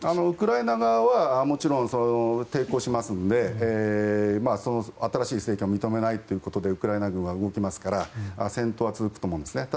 ウクライナ側はもちろん抵抗しますので新しい政権を認めないということでウクライナ軍は動くので戦闘は続くと思うんです。